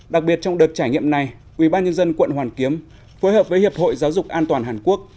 đặc biệt trong đợt trải nghiệm này ubnd quận hoàn kiếm phối hợp với hiệp hội giáo dục an toàn hàn quốc